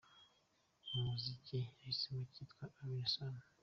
Mu muziki yahisemo kwitwa Alyn Sano.